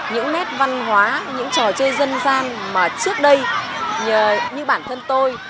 những nét văn hóa những trò chơi dân gian mà trước đây như bản thân tôi